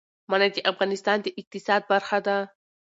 منی د افغانستان د اقتصاد برخه ده.